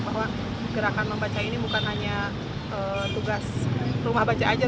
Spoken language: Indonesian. bahwa gerakan membaca ini bukan hanya tugas rumah baca saja